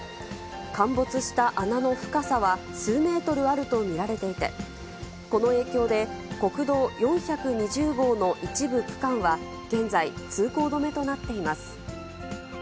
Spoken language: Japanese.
陥没した穴の深さは数メートルあると見られていて、この影響で、国道４２０号の一部区間は、現在通行止めとなっています。